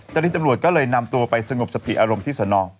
ตอนนี้ตำรวจก็เลยนำตัวไปสงบสติอารมณ์ที่สน